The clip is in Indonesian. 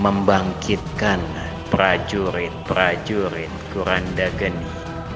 membangkitkan prajurit prajurit kurandageni